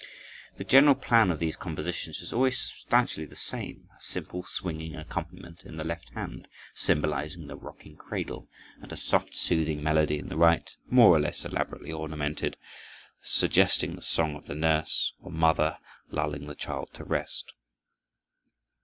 The general plan of these compositions is always substantially the same: a simple, swinging accompaniment in the left hand, symbolizing the rocking cradle, and a soft, soothing melody in the right, more or less elaborately ornamented, suggesting the song of the nurse or mother lulling the child to rest.